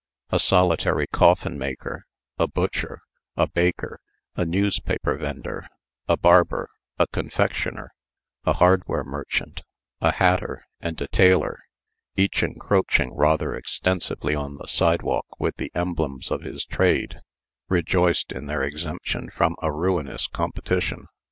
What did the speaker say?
A solitary coffinmaker, a butcher, a baker, a newspaper vender, a barber, a confectioner, a hardware merchant, a hatter, and a tailor, each encroaching rather extensively on the sidewalk with the emblems of his trade, rejoiced in their exemption from a ruinous competition.